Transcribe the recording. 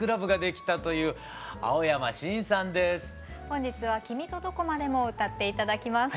本日は「君とどこまでも」を歌って頂きます。